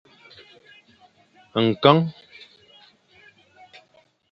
Nkeng!